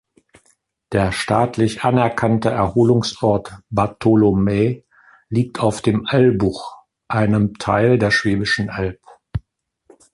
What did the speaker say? Der staatlich anerkannte Erholungsort Bartholomä liegt auf dem Albuch, einem Teil der Schwäbischen Alb.